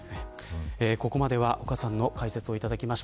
ここまでは岡さんの解説をいただきました。